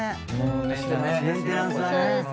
メンテナンスだね。